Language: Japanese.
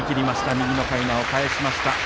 右のかいなを返しました。